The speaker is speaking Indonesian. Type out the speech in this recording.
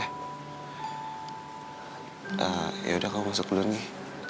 yaudah kamu masuk dulu nih